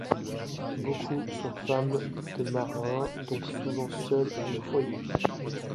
Beaucoup sont femmes de marins donc souvent seules et au foyer.